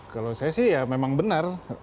kalau saya sih ya memang benar